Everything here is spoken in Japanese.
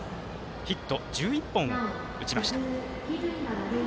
ヒット１１本、打ちました。